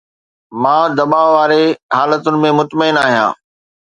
مان دٻاءُ واري حالتن ۾ مطمئن آهيان